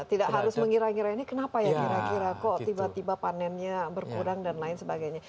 tidak harus mengira ngira ini kenapa ya kira kira kok tiba tiba panennya berkurang dan lain sebagainya